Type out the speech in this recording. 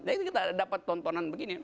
jadi kita dapat tontonan begini